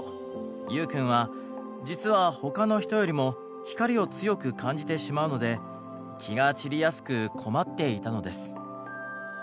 ユウくんは実は他の人よりも光を強く感じてしまうので気が散りやすく困っていたのです。